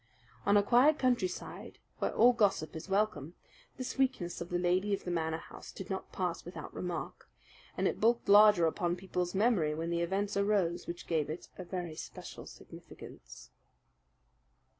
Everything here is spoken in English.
On a quiet countryside, where all gossip is welcome, this weakness of the lady of the Manor House did not pass without remark, and it bulked larger upon people's memory when the events arose which gave it a very special significance.